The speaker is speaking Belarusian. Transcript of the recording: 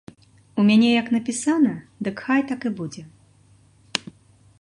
У мяне як напісана, дых хай так і будзе!